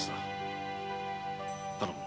頼む。